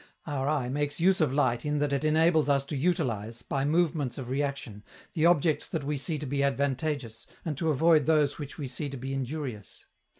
Our eye makes use of light in that it enables us to utilize, by movements of reaction, the objects that we see to be advantageous, and to avoid those which we see to be injurious.